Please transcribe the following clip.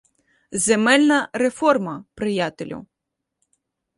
— Земельна реформа, приятелю.